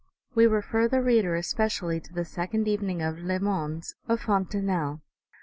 We refer the reader, especially, to the second evening of L,es Mondes of Fontenelle.